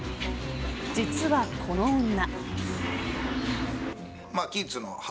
実はこの女。